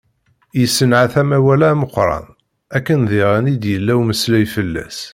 Yessenɛet amawal-a ameqqran, akken diɣen i d-yella umeslay fell-as.